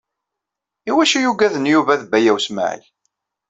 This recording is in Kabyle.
Iwacu i uggaden Yuba d Baya U Smaɛil?